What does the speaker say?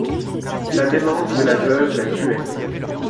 La démence de la veuve la tuait.